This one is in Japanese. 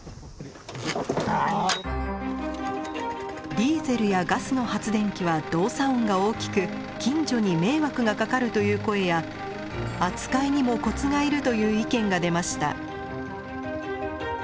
ディーゼルやガスの発電機は動作音が大きく近所に迷惑がかかるという声や扱いにもコツがいるという意見が出ました。